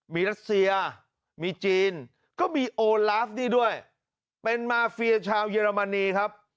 มีรัสเซียมีจีนก็มีโอลาฟนี่ด้วยเป็นมาเฟียชาวเยอรมนีครับ